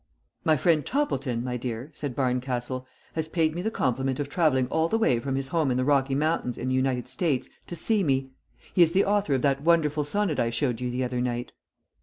"My friend Toppleton, my dear," said Barncastle, "has paid me the compliment of travelling all the way from his home in the Rocky Mountains in the United States to see me. He is the author of that wonderful sonnet I showed you the other night."